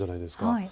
はい。